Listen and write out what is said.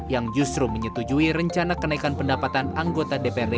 yang justru menyetujui rencana kenaikan pendapatan anggota dprd